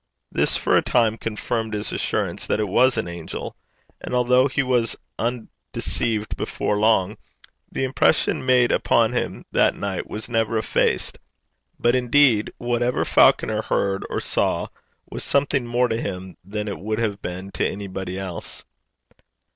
This for a time confirmed his assurance that it was an angel. And although he was undeceived before long, the impression made upon him that night was never effaced. But, indeed, whatever Falconer heard or saw was something more to him than it would have been to anybody else.